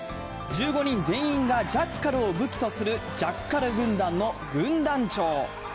１５人全員がジャッカルを武器とするジャッカル軍団の軍団長。